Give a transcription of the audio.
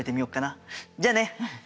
じゃあね！